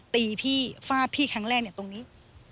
ตีพี่ฟาดพี่ครั้งแรกเนี่ยตรงนี้